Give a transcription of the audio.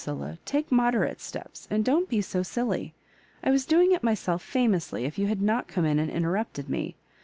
Ludlla; <'take moderate steps, and don t be so silly. I was doing it myself famously if you had not come in and interrupted me.